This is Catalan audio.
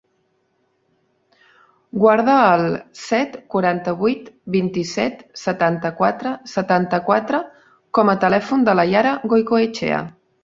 Guarda el set, quaranta-vuit, vint-i-set, setanta-quatre, setanta-quatre com a telèfon de la Yara Goicoechea.